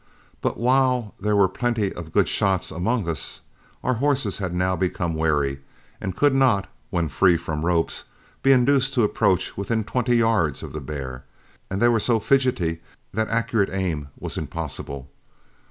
But while there were plenty of good shots among us, our horses had now become wary, and could not, when free from ropes, be induced to approach within twenty yards of the bear, and they were so fidgety that accurate aim was impossible.